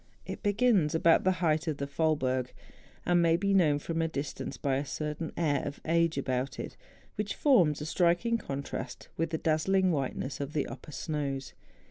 It begins about the height of the Faulberg. It may be known from a distance by a certain air of age about it wliich forms a striking contrast with the dazzling whiteness of the upper snows.